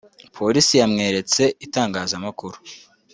Polisi yamweretse itangazamakuru